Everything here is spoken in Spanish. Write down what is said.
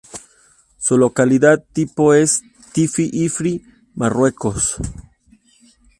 Su localidad tipo es Tizi-Ifri, Marruecos.